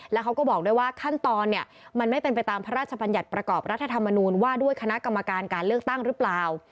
แล้วเขาก็บอกด้วยว่าขั้นตอนเนี่ยมันไม่เป็นไปตามพระราชบัญญัติประกอบรัฐธรรมนูญว่าด้วยคณะกรรมการการเลือกตั้งหรือเปล่า